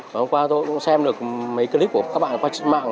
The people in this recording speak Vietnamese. hôm qua tôi cũng xem được mấy clip của các bạn qua truyện mạng